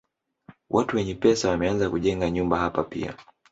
Watu wenye pesa wameanza kujenga nyumba hapa pia.